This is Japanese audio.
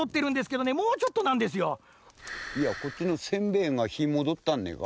いやこっちのせんべいがひーもどったんねえか。